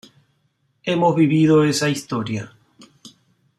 Hemos vivido esa historia.